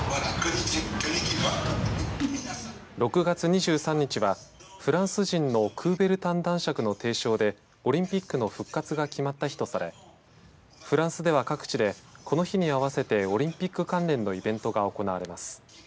６月２３日はフランス人のクーベルタン男爵の提唱でオリンピックの復活が決まった日とされフランスでは、各地でこの日に合わせてオリンピック関連のイベントが行われます。